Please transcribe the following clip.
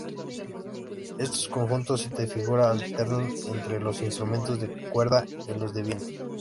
Estos conjuntos de figuras alternan entre los instrumentos de cuerda y los de viento.